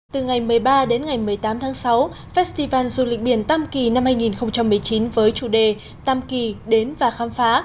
từ ngày một mươi ba đến ngày một mươi tám tháng sáu festival du lịch biển tam kỳ năm hai nghìn một mươi chín với chủ đề tam kỳ đến và khám phá